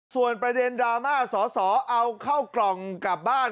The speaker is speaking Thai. ส่วนประเด็นดราม่าสอสอเอาเข้ากล่องกลับบ้าน